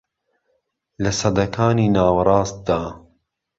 لە سەدەکانی ناوەڕاستدا